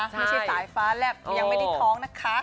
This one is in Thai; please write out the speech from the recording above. ไม่ใช่สายฟ้าแหละยังไม่ได้ท้องนะคะ